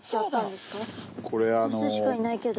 雌しかいないけど。